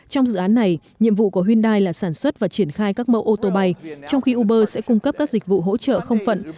trong dự án này nhiệm vụ của hyundai là sản xuất và triển khai các mẫu ô tô bay trong khi uber sẽ cung cấp các dịch vụ hỗ trợ không phận